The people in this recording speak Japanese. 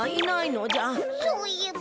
そういえば。